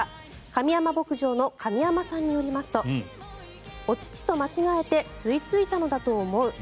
上山牧場の上山さんによりますとお乳と間違えて吸いついたのだと思う。